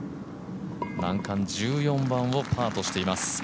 難関・１４番をパーとしています。